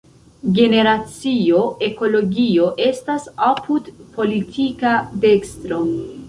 Generacio Ekologio estas apud politika dekstro.